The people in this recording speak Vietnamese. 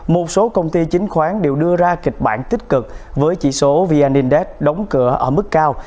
một số công ty chính khoán đều đưa ra kịch bản tích cực với chỉ số vn index đóng cửa ở mức cao